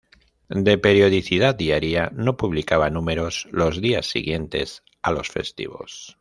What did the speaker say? De periodicidad diaria, no publicaba números los días siguientes a los festivos.